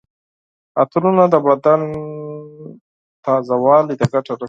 عطرونه د بدن تازه والي ته ګټه رسوي.